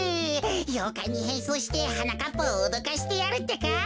ようかいにへんそうしてはなかっぱをおどかしてやるってか。